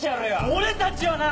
俺たちはな！